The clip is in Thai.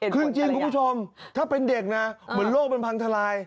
คือจริงคุณผู้ชมถ้าเป็นเด็กนะเหมือนโลกมันพังทลาย